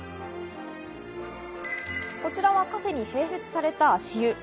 こちらはカフェに併設された足湯。